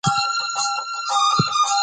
لمریز ځواک د افغانستان د شنو سیمو ښکلا ده.